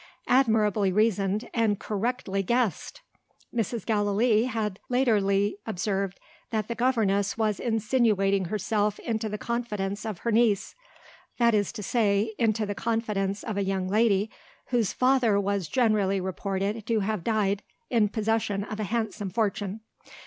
Admirably reasoned, and correctly guessed! Mrs. Gallilee had latterly observed that the governess was insinuating herself into the confidence of her niece that is to say, into the confidence of a young lady, whose father was generally reported to have died in possession of a handsome fortune.